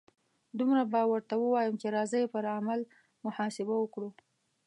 دومره به ورته ووایم چې راځئ پر عمل محاسبه وکړو.